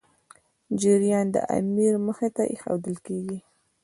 جریان د امیر مخي ته ایښودل کېدی.